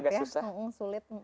agak berat ya sulit